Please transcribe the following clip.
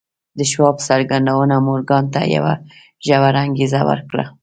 د شواب څرګندونو مورګان ته یوه ژوره انګېزه ورکړه